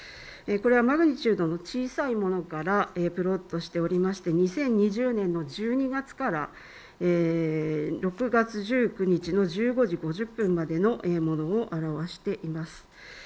マグニチュードの小さいものから２０２０年の１２月から６月１９日の１５時５０分までのものを表しています。